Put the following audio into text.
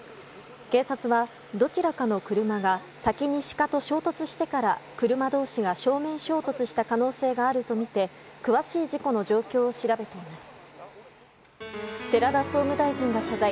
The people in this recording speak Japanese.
警察はどちらかの車が先にシカと衝突してから車同士が正面衝突した可能性があるとみて詳しい事故の状況を調べています。